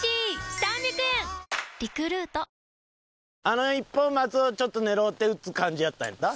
あの一本松をちょっと狙うて打つ感じやったんやった？